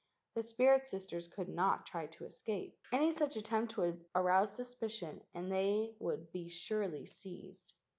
The spirit sisters could not try to escape. Any such attempt would arouse suspicion and they would be surely seized.